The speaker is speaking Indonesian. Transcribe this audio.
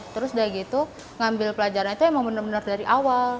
terus dari gitu ngambil pelajaran itu emang bener bener dari awal